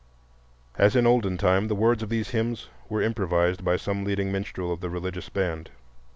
As in olden time, the words of these hymns were improvised by some leading minstrel of the religious band.